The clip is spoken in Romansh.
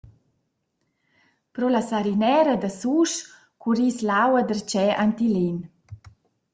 Pro la sarinera da Susch curriss l’aua darcheu aint il En.